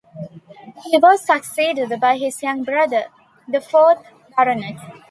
He was succeeded by his younger brother, the fourth Baronet.